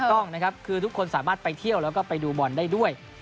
ต้องนะครับคือทุกคนสามารถไปเที่ยวแล้วก็ไปดูบอลได้ด้วย